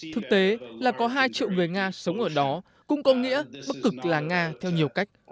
thực tế là có hai triệu người nga sống ở đó cũng có nghĩa bắc cực là nga theo nhiều cách